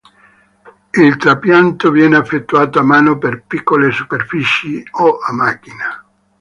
Il trapianto viene effettuato a mano per piccole superfici o a macchina.